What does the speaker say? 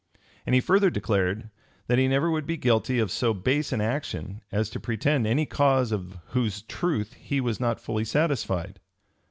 And he further declared, "That he never would be guilty of so base an action as to pretend any cause of whose truth he was not fully satisfied."